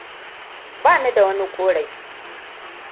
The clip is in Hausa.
Bani da wani korafi.